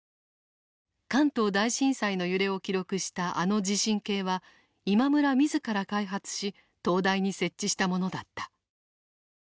関東大震災の揺れを記録したあの地震計は今村自ら開発し東大に設置したものだった。